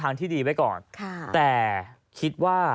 อันตรายก็ได้